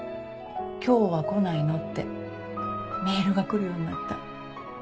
今日は来ないの？ってメールが来るようになった毎日。